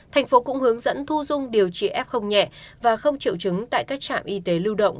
thành phố cũng hướng dẫn thu dung điều trị f nhẹ và không triệu chứng tại các trạm y tế lưu động